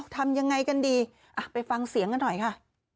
ทำยังไงกันดีไปฟังเสียงกันหน่อยค่ะ